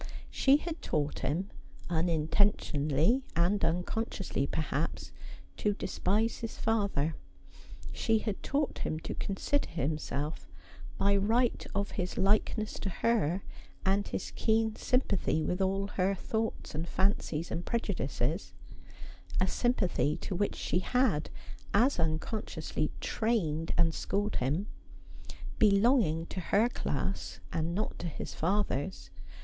She had taught him, unintentionally and unconsciously, perhaps, to despise his father. She had taught him to consider himself, by right of his likeness to her and his keen sympathy with all her thoughts and fancies and prejudices —a sympathy to which she had, as unconsciously, trained and schooled him — belonging to her class and not to his father's.